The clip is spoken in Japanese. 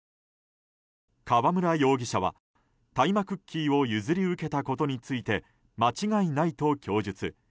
川村容疑者は大麻クッキーを譲り受けたことについて間違いないと供述。